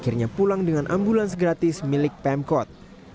akhirnya pulang dengan ambulans gratis milik pemkot